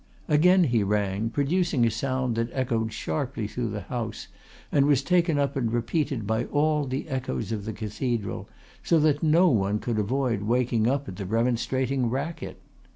Again he rang, producing a sound that echoed sharply through the house and was taken up and repeated by all the echoes of the cathedral, so that no one could avoid waking up at the remonstrating racket.